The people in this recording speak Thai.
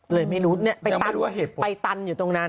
เลยไม่รู้ไปตันอยู่ตรงนั้น